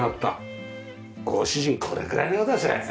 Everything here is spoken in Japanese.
ご主人これぐらいのは出すよね？